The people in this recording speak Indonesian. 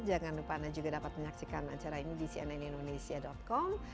jangan lupa anda juga dapat menyaksikan acara ini di cnnindonesia com